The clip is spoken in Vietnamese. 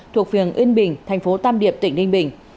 thuộc phường yên bình thành phố tam điệp tỉnh ninh bình